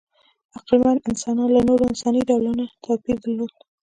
عقلمن انسانان له نورو انساني ډولونو توپیر درلود.